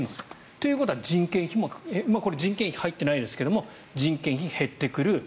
ということは人件費もこれは人件費入ってないですが人件費減ってくる